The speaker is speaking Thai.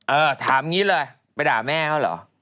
เออถามงี้เลยไปด่าแม่เค้าหรอ